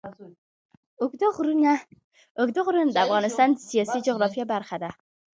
اوږده غرونه د افغانستان د سیاسي جغرافیه برخه ده.